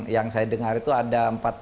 yang saya dengar itu ada